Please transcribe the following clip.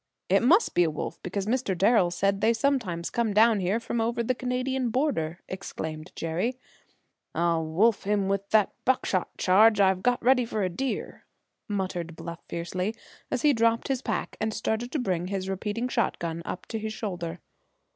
"It must be a wolf, because Mr. Darrel said they sometimes come down here from over the Canadian border!" exclaimed Jerry. "I'll wolf him with that buckshot charge I've got ready for a deer!" muttered Bluff fiercely, as he dropped his pack and started to bring his repeating shotgun up to his shoulder.